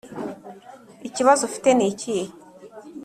ikibazo ufite nikihe?